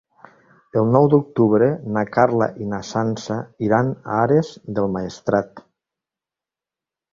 El nou d'octubre na Carla i na Sança iran a Ares del Maestrat.